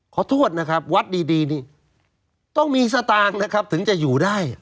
ขอโทษนะครับวัดดีนี่ต้องมีสตางค์นะครับถึงจะอยู่ได้